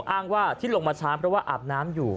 อ้างว่าที่ลงมาช้างเพราะว่าอาบน้ำอยู่